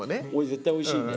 絶対おいしいんで。